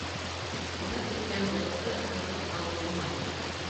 Уҙып киткән болотто тотоп ҡалып булмай.